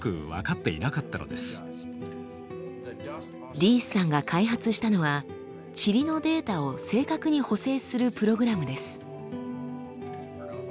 リースさんが開発したのはチリのデータを正確に補正するプログラムです。